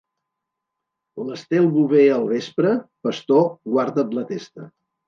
L'Estel Bover al vespre, pastor, guarda't la testa.